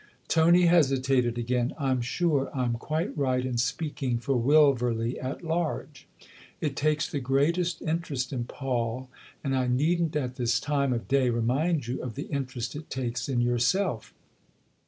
Tony hesitated again. " I'm sure I'm quite right in speaking for Wilverley at large. It takes the greatest interest in Paul, and I needn't at this time of day remind you of the interest it takes in yourself.